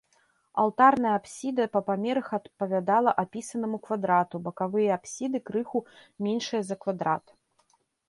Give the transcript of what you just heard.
Алтарная апсіда па памерах адпавядала апісанаму квадрату, бакавыя апсіды крыху меншыя за квадрат.